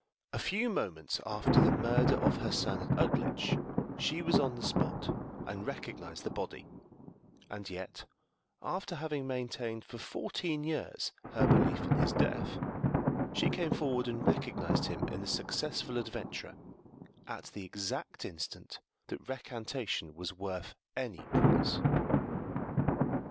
A few moments after the murder of her son at Uglitch, she was on the spot and recognized the body; and yet, after having maintained for fourteen years her belief in his death, she came forward and recognized him in the successful adventurer, at the exact instant that recantation was worth any price.